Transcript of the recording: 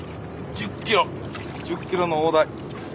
１０キロの大ダイ。